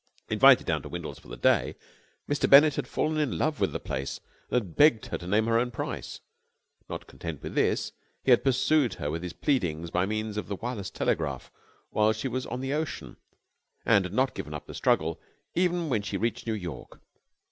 Invited down to Windles for the day, Mr. Bennett had fallen in love with the place and had begged her to name her own price. Not content with this, he had pursued her with his pleadings by means of the wireless telegraph while she was on the ocean, and had not given up the struggle even when she reached New York.